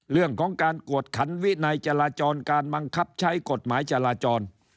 เรื่องของการกวดขันวินัยจราจรการบังคับใช้กฎหมายจราจร